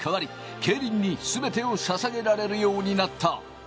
競輪にすべてをささげられるようになった。